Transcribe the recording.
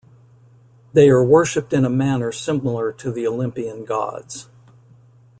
They are worshiped in a manner similar to the Olympian gods.